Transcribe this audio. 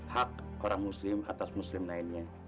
hak orang muslim atas muslim lainnya